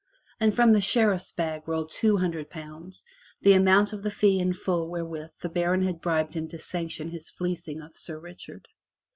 And from the Sheriff's bag rolled two hundred pounds, the amount of the fee in full wherewith the baron had bribed him to sanction his fleecing of Sir Richard.